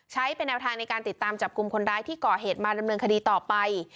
ใช้เป็นแนวทางในการติดตามจับกลุ่มคนร้ายที่ก่อเหตุมาดำเนินคดีต่อไป